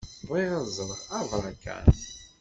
Bɣiɣ ad ẓreɣ abṛakan.